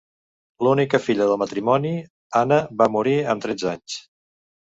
L'única filla del matrimoni, Anna va morir amb tretze anys.